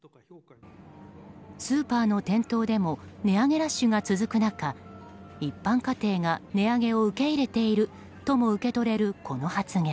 スーパーの店頭でも値上げラッシュが続く中一般家庭が値上げを受け入れているとも受け取れる、この発言。